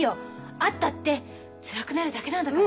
会ったってつらくなるだけなんだから。